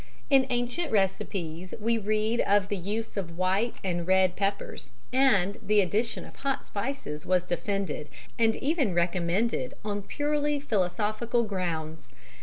In ancient recipes we read of the use of white and red peppers, and the addition of hot spices was defended and even recommended on purely philosophical grounds.